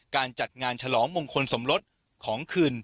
การจัดงานฉลองมงคลสมรสของคืน